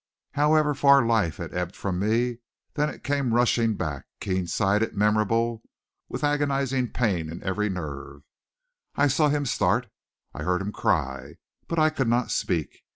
However far life had ebbed from me, then it came rushing back, keen sighted, memorable, with agonizing pain in every nerve. I saw him start, I heard him cry, but I could not speak.